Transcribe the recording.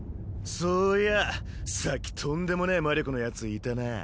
そういやさっきとんでもねぇ魔力のヤツいたなぁ。